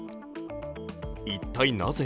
一体なぜ？